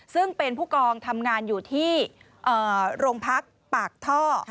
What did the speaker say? ซึ่งเป็นผู้กองทำงานอยู่ที่โรงพักปากท่อ